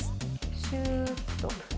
シューッと。